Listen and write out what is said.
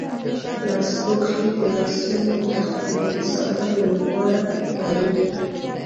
لاسپوښي د لاسونو دخوندي ساتلو لپاره پکاریږی.